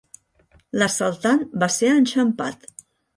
L'assaltant va ser enxampat.